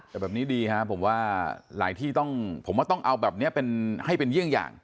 แต่แบบนี้ดีครับผมว่าหลายที่ผมว่าต้องเอาแบบนี้ให้เป็นเยี่ยงอย่าง